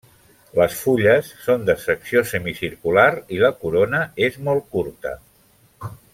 Les fulles són de secció semicircular i la corona és molt curta.